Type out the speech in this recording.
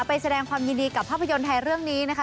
ไปแสดงความยินดีกับภาพยนตร์ไทยเรื่องนี้นะคะ